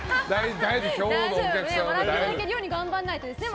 笑っていただけるように頑張らないとですね